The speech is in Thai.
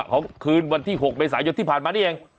ของคืนวันที่๖เมษายนที่ผ่านมานี่เอง